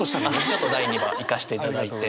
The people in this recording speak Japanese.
ちょっと第２話いかしていただいて。